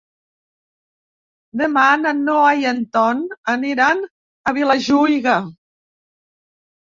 Demà na Noa i en Ton aniran a Vilajuïga.